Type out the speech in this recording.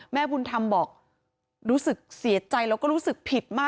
แม่บุญธรรมบอกรู้สึกเสียใจแล้วก็รู้สึกผิดมาก